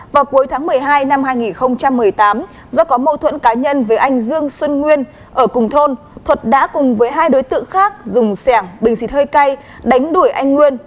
vào cuối tháng một mươi hai năm hai nghìn một mươi tám do có mâu thuẫn cá nhân với anh dương xuân nguyên ở cùng thôn thuật đã cùng với hai đối tượng khác dùng sẻng bình xịt hơi cay đánh đuổi anh nguyên